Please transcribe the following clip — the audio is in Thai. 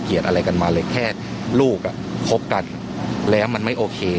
อะไรกันมาเลยแค่ลูกอ่ะคบกันแล้วมันไม่โอเค